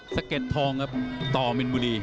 สะเด็ดทองครับต่อมินบุรี